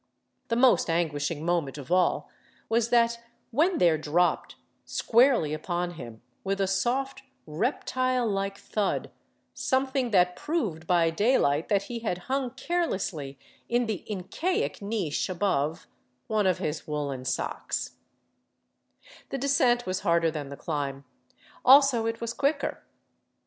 The most anguishing moment of all was that when there dropped squarely upon him, with a soft, reptile like thud, something that proved by daylight that he had hung carelessly in the Incaic niche above one of his woolen socks I The descent was harder than the climb; also it was quicker.